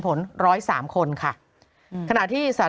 โหยวายโหยวายโหยวาย